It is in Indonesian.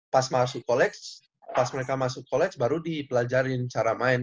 pas masuk koleks pas mereka masuk koleks baru dipelajarin cara main